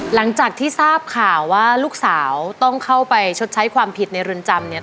หลังจากที่ทราบข่าวว่าลูกสาวต้องเข้าไปชดใช้ความผิดในเรือนจำเนี่ย